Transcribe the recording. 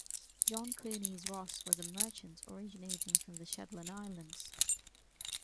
John Clunies-Ross was a merchant originating from the Shetland Islands.